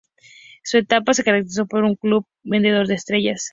Su etapa se caracterizó por ser un club vendedor de estrellas.